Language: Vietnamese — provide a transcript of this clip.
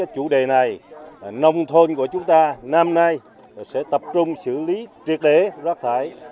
chủ đề này nông thôn của chúng ta năm nay sẽ tập trung xử lý triệt để rác thải